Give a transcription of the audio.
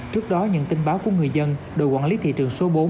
trước đó nhận tin báo của người dân đội quản lý thị trường số bốn